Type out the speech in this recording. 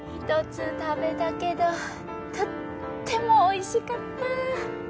１つ食べたけどとってもおいしかった。